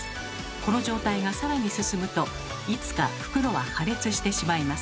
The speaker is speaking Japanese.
この状態がさらに進むといつか袋は破裂してしまいます。